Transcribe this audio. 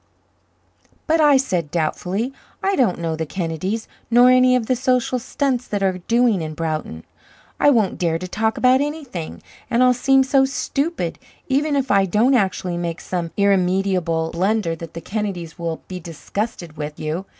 "But," I said doubtfully, "I don't know the Kennedys nor any of the social stunts that are doing in Broughton; I won't dare to talk about anything, and I'll seem so stupid, even if I don't actually make some irremediable blunder, that the Kennedys will be disgusted with you.